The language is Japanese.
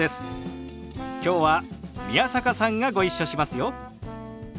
きょうは宮坂さんがご一緒しますよ。